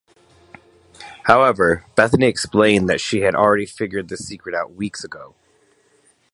However, Bethany explained that she had already figured this secret out weeks ago.